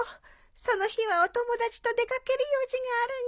その日はお友達と出掛ける用事があるんじゃよ。